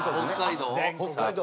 北海道。